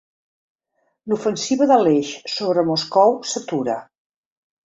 L'ofensiva de l'Eix sobre Moscou s'atura.